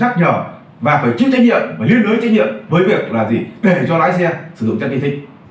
để cho lái xe sử dụng chất kinh tích